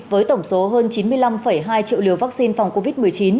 với tổng số hơn chín mươi năm hai triệu liều vaccine phòng covid một mươi chín